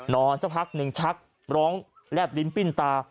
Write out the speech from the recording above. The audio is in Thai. สักพักหนึ่งชักร้องแลบลิ้นปิ้นตา